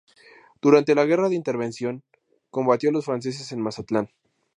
Durante la guerra de intervención, combatió a los franceses en Mazatlán.